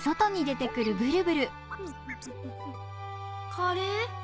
カレー？